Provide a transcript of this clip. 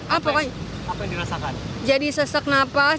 apa yang dirasakan